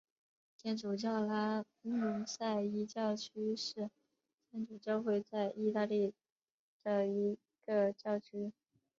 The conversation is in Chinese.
天主教拉努塞伊教区是天主教会在义大利的一个教区。